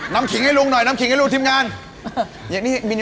ยังไงทำไม